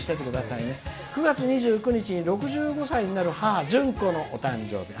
「９月２２日に６５歳になる母じゅんこのお誕生日」。